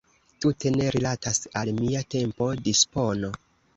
Tute ne rilatas al mia tempo-dispono.